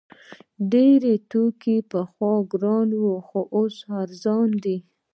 ډیر توکي پخوا ګران وو خو اوس ارزانه دي.